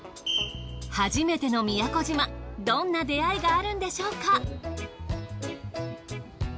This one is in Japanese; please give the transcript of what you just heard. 初めての宮古島どんな出会いがあるんでしょうか？